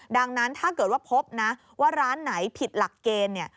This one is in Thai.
ดังนั้นถ้าเกิดว่าพบนะว่าร้านไหนผิดหลักเกณฑ์เนี่ย